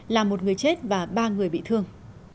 là một người chết và ba người bị thương